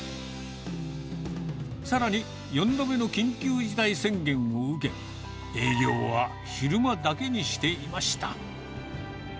さらに、４度目の緊急事態宣言を受け、営業は昼間だけにしていました。